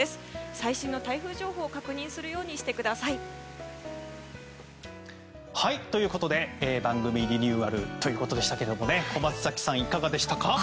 最新の台風情報を確認するようにしてください。ということで番組リニューアルということで小松崎さん、いかがでしたか。